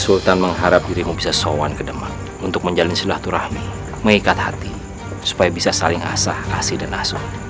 sultan mengharap dirimu bisa sowan ke demak untuk menjalin silaturahmi mengikat hati supaya bisa saling asah kasih dan asuh